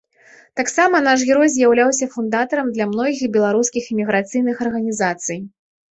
Таксама наш герой з'яўляўся фундатарам для многіх беларускіх эміграцыйных арганізацый.